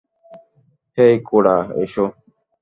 হেই কোডা, এসো।